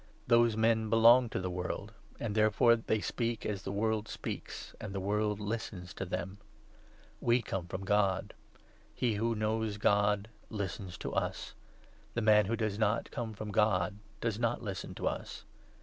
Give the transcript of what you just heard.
Those men belong to the world ; and therefore they speak as the world speaks, and the world listens to them. We come from God. He who knows God listens to us ; the man who does not come from God does not listen to us.